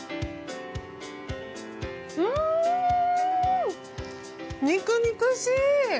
うーん、肉々しい！